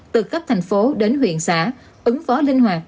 từ cấp thành phố đến huyện xã ứng phó linh hoạt